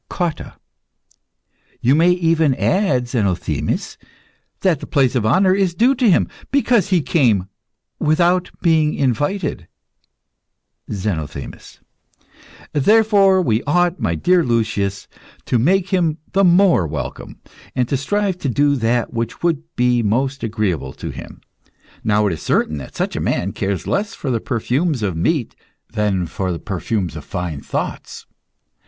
COTTA. You may even add, Zenothemis, that the place of honour is due to him, because he came without being invited. ZENOTHEMIS. Therefore, we ought, my dear Lucius, to make him the more welcome, and strive to do that which would be most agreeable to him. Now it is certain that such a man cares less for the perfumes of meat than for the perfumes of fine thoughts.